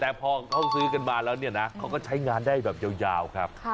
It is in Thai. แต่พอเขาซื้อกันมาแล้วเนี่ยนะเขาก็ใช้งานได้แบบยาวครับ